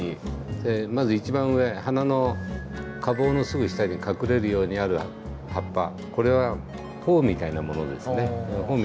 まず一番上花の花房のすぐ下に隠れるようにある葉っぱこれは苞みたいなものですね。